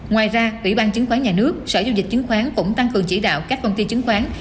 ngoài ra quỹ ban chứng khoán nhà nước sở giao dịch chứng khoán cũng tăng cường chỉ đạo các công ty chứng khoán